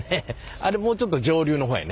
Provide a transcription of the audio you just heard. あれもうちょっと上流の方やね。